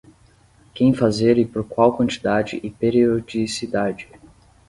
Quem fazer e por qual quantidade e periodicidade.